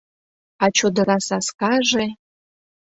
А чодыра саскаже!